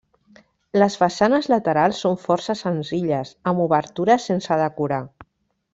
Les façanes laterals són força senzilles, amb obertures sense decorar.